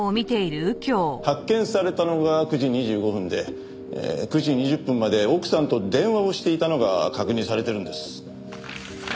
発見されたのが９時２５分で９時２０分まで奥さんと電話をしていたのが確認されてるんです。